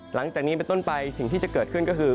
หลังจากนี้เป็นต้นไปสิ่งที่จะเกิดขึ้นก็คือ